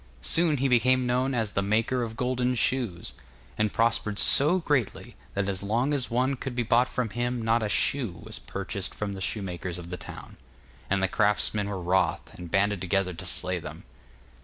Soon he became known as 'The Maker of Gold Shoes,' and prospered so greatly, that as long as one could be bought from him not a shoe was purchased from the shoemakers of the town. And the craftsmen were wroth, and banded together to slay them.